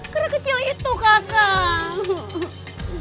kera kecil itu kakang